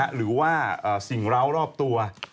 หรือว่าสิ่งร้าวรอบตัว